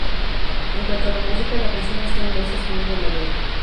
En cuanto a la música, la canción está en Do sostenido mayor.